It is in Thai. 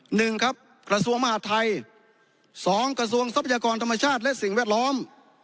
หนึ่งครับกระทรวงมหาดไทยสองกระทรวงทรัพยากรธรรมชาติและสิ่งแวดล้อม